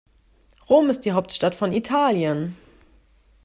Rom ist die Hauptstadt von Italien.